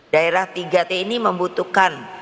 daerah tiga t ini membutuhkan